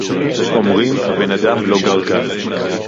אומרים, הבן-אדם לא גר כאן